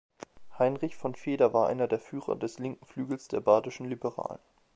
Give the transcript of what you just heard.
Heinrich von Feder war einer der Führer des linken Flügels der badischen Liberalen.